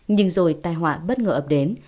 nhưng rồi tai họa bất ngờ ập đến